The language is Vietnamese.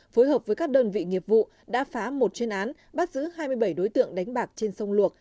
phối hợp với các đơn vị nghiệp vụ đã phá một chuyên án bắt giữ hai mươi bảy đối tượng đánh bạc trên sông luộc